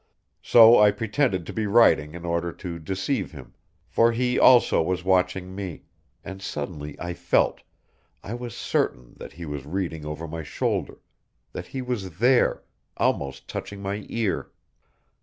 So I pretended to be writing in order to deceive him, for he also was watching me, and suddenly I felt, I was certain that he was reading over my shoulder, that he was there, almost touching my ear.